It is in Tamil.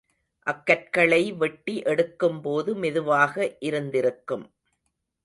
அக்கற்களை வெட்டி எடுக்கும் போது மெதுவாக இருந்திருக்கும்.